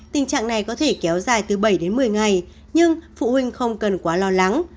tình trạng này có thể kéo dài từ bảy đến một mươi ngày nhưng phụ huynh không cần quá lo lắng